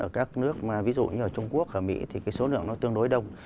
ở các nước mà ví dụ như ở trung quốc ở mỹ thì cái số lượng nó tương đối đông